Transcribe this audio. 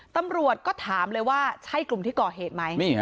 ตำรวจก็ถามเลยว่าใช่กลุ่มที่ก่อเหตุไหม